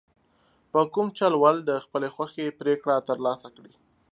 په کوم چل ول د خپلې خوښې پرېکړه ترلاسه کړي.